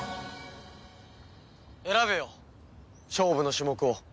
選べよ勝負の種目を。